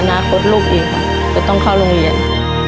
อนาคตลูกอีกค่ะจะต้องเข้าโรงเรียน